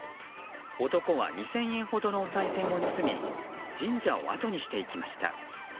男は２０００円ほどのおさい銭を盗み神社をあとにしていきました。